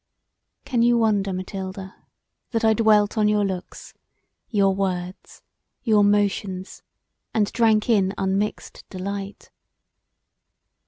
Can you wonder, Mathilda, that I dwelt on your looks, your words, your motions, & drank in unmixed delight?